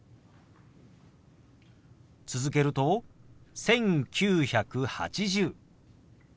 続けると「１９８０」。